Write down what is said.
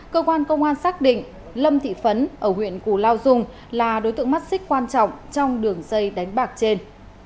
cơ quan công an xác định lâm thị phấn ở huyện củ lao dung là đối tượng mắt xích quan trọng trong đường dây đánh bạc trên